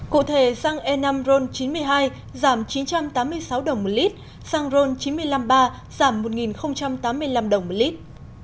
cụ thể xăng e năm ron chín mươi hai giảm chín trăm tám mươi sáu đồng một lít xăng ron chín trăm năm mươi ba giảm một tám mươi năm đồng một lít